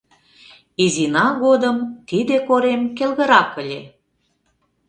Изина годым тиде корем келгырак ыле.